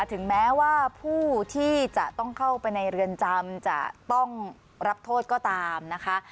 ถึงแม้ว่าผู้ที่จะต้องเข้าไปในเรือนจำจะต้องรับโทษก็ตามนะคะ